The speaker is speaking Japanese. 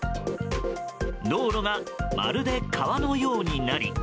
道路がまるで川のようになり。